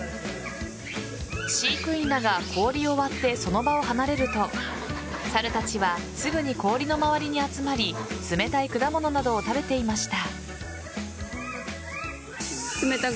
飼育員らが氷を割ってその場を離れると猿たちはすぐに氷の周りに集まり冷たい果物などを食べていました。